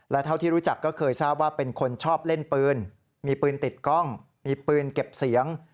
และเท่าที่รู้จักก็เคยทราบว่าเป็นคนชอบเล่นปืนมีปืนติดกล้องมีปืนเก็บเสียง